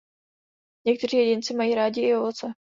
Někteří jedinci mají rádi i ovoce.